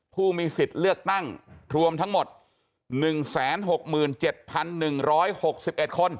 ผู้มีสิทธิ์เลือกตั้งรวมทั้งหมด๑๖๗๑๖๑คน